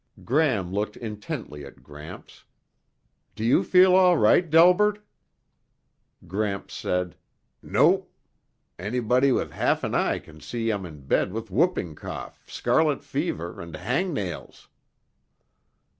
Gram looked intently at Gramps. "Do you feel all right, Delbert?" Gramps said, "Nope. Anybody with half an eye can see I'm in bed with whooping cough, scarlet fever and hangnails."